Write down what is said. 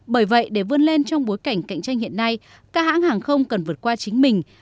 bởi vậy để vươn lên trong bối cảnh cạnh tranh hiện nay các hãng hàng không cần vượt qua chính mình